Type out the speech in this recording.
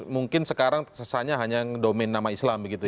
mungkin sekarang sesanya hanya domain nama islam begitu ya